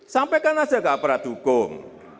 sampaikan saja ke aparat hukum